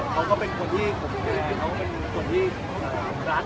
เขาก็เป็นคนที่ผมดูแลเขาเป็นคนที่รัก